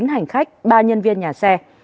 một mươi chín hành khách ba nhân viên nhà xe